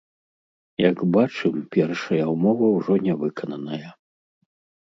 Як бачым, першая ўмова ўжо не выкананая.